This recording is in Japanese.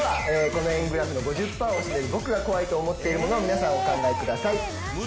この円グラフの５０％を占める僕が怖いと思ってるものを、皆さん、お考えください。